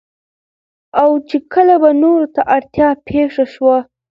او چې کله به نورو ته اړتيا پېښه شوه